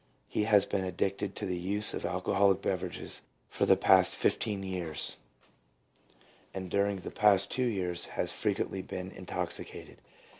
He has been addicted to the use of alcoholic beverages for the past fifteen years, and 262 PSYCHOLOGY OF ALCOHOLISM. during the past two years has frequently been in toxicated.